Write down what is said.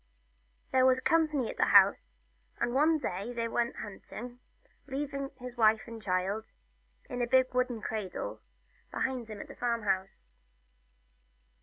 There was company at the house, and one day they went hunting, leaving his wife and the child, in a big wooden cradle, behind him at the farm house.